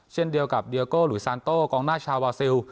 เช่นเดียวกับเดียโกหลุยซานโต้กองหน้าชาวาซิล